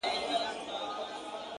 د ميني اوبه وبهېږي _